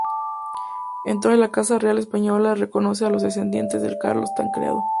Entonces la Casa Real española reconoce a los descendientes de Carlos Tancredo.